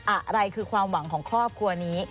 อะไรคือความหวังของครอบครัวนี้